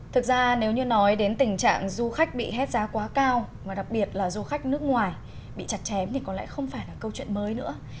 thực ra nếu như nói đến tình trạng du khách bị hết giá quá cao mà đặc biệt là du khách nước ngoài bị chặt chém thì có lẽ không phải là câu chuyện mới nữa